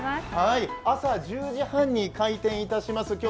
朝１０時半に開店いたします。